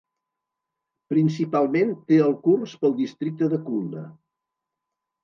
Principalment té el curs pel districte de Khulna.